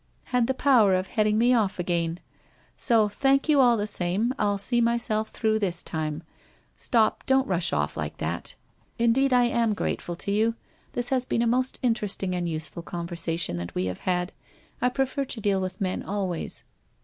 — had the power of heading me off again. So, thank you all the same, I'll see myself through thi time. Stop, don't null off like that. Indeed, I am 358 WHITE ROSE OF WEARY LEAF grateful to you. This has been a most interesting and use ful conversation that we have had. I prefer to deal with men always.